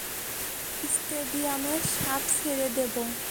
স্টেডিয়ামে সাপ ছেড়ে দেব।